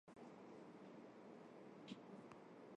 - Գիդիս էլի,- շարունակեց տանտերս,- ինչքան նիղվածքություն ինք քաշում: